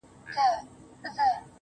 زما ياران اوس په دې شكل سـوله,